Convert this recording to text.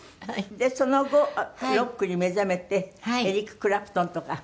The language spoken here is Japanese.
でその後ロックに目覚めてエリック・クラプトンとか。